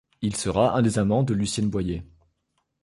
Il sera un des amants de Lucienne Boyer.